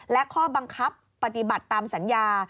และข้อบังคับปฏิบัติตามสัญญา